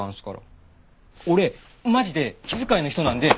俺マジで気遣いの人なんで。